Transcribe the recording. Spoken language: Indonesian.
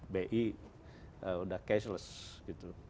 bi sudah cashless gitu